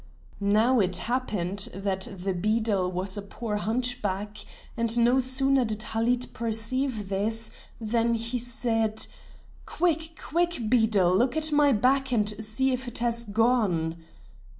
Now it happened that the beadle was a poor hunchback, and no sooner did Halid perceive this than he said: "Quick! Quick! Beadle, look at my back and see if it has gone!"